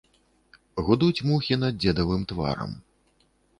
Гудуць мухі над дзедавым тварам.